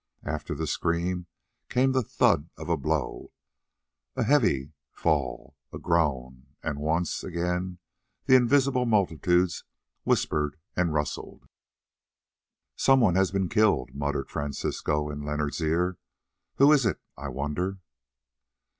After the scream came the thud of a blow, a heavy fall, a groan, and once again the invisible multitudes whispered and rustled. "Someone has been killed," muttered Francisco in Leonard's ear; "who is it, I wonder?"